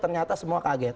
ternyata semua kaget